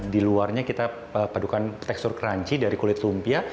di luarnya kita padukan tekstur crunchy dari kulit lumpia